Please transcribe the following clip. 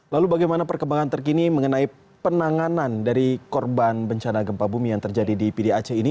lalu bagaimana perkembangan terkini mengenai penanganan dari korban bencana gempa bumi yang terjadi di pdac ini